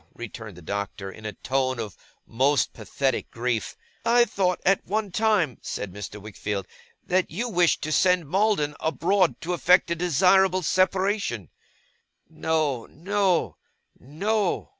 returned the Doctor, in a tone of most pathetic grief. 'I thought, at one time,' said Mr. Wickfield, 'that you wished to send Maldon abroad to effect a desirable separation.' 'No, no, no!